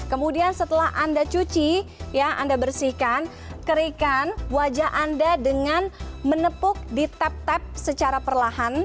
kemudian setelah anda cuci ya anda bersihkan kerikan wajah anda dengan menepuk di tap tap secara perlahan